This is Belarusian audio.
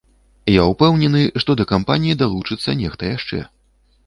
Я ўпэўнены, што да кампаніі далучыцца нехта яшчэ.